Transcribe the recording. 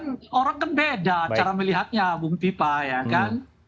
kan orang kan beda cara melihatnya bung pipa ya kan